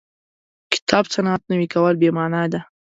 کتاب سنت نوي کول بې معنا ده.